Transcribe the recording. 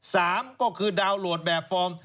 สามก็คือดาวน์โหลดแบบฟอร์ม